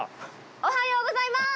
おはようございます！